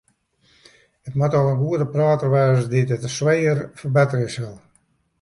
It moat al in goede prater wêze dy't it in swijer ferbetterje sil.